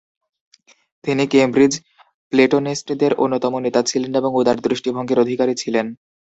তিনি ক্যামব্রিজ প্লেটোনিস্টদের অন্যতম নেতা ছিলেন এবং উদার দৃষ্টিভঙ্গির অধিকারী ছিলেন।